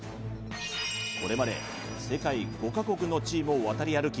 これまで世界５カ国のチームを渡り歩き